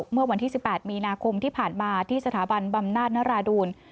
เมื่อวันที่๑๘มีนาคมที่ผ่านมาที่สถาบันบำนานราดูล